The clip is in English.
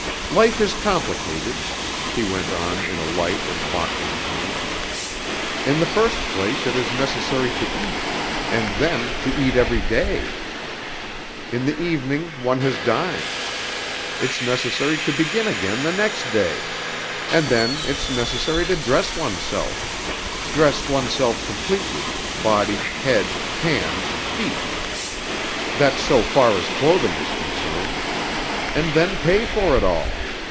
"Life is complicated," she went on in a light and mocking tone. "In the first place it is necessary to eat, and then to eat every day. In the evening one has dined. It's necessary to begin again the next day. And then it's necessary to dress oneself. Dress oneself completely, body, head, hands, feet. That's so far as clothing is concerned! And then pay for it all.